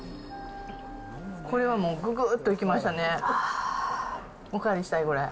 これはもうぐぐっといきましたね。